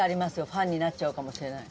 ファンになっちゃうかもしれない。